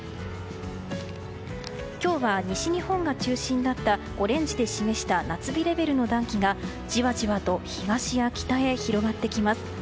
今日は西日本が中心だったオレンジで示した夏日レベルの暖気がじわじわと東や北へ広がってきます。